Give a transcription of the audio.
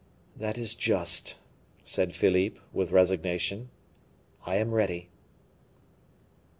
"That is just," said Philippe, with resignation; "I am ready."